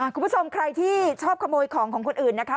คุณผู้ชมใครที่ชอบขโมยของของคนอื่นนะคะ